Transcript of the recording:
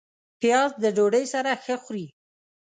پیاز د ډوډۍ سره ښه خوري